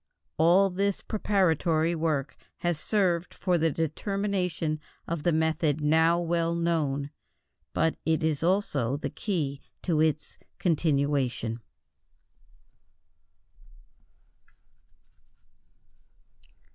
All this preparatory work has served for the determination of the method now well known, but it is also the key to its continuation.